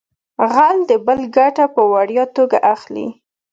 غل د بل ګټه په وړیا توګه اخلي